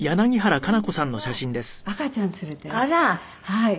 はい。